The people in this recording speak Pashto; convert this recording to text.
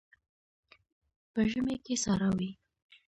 په ژمي کې ساړه وي.